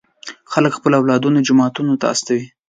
خلک خپل اولادونه جوماتونو ته استوي.